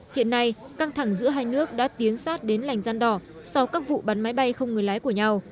hiện nay căng thẳng giữa hai nước đã tiến sát đến lành gian đỏ sau các vụ bắn máy bay không người lái của nhau